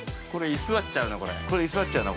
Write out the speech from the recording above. ◆居座っちゃうな、これ。